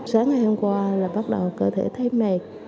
sáng ngày hôm qua là bắt đầu cơ thể thấy mẹ